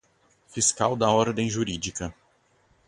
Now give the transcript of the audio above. fiscal da ordem jurídica.